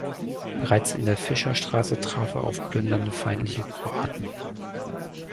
Bereits in der Fischerstraße traf er auf plündernde feindliche Kroaten.